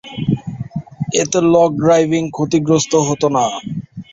এতে log driving ক্ষতিগ্রস্ত হত না।